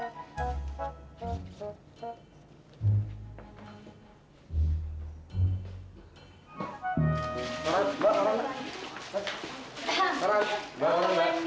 harap baru nanti